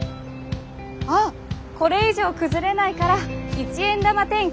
ああこれ以上崩れないから一円玉天気とも言うね。